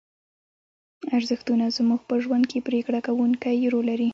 ارزښتونه زموږ په ژوند کې پرېکړه کوونکی رول لري.